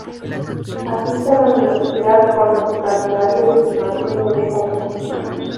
Asiste a la universidad cuando su calendario de filmación le deja tiempo.